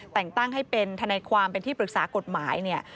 แต่งตั้งให้เป็นทนายความเป็นที่ปรึกษากฎหมายเนี่ย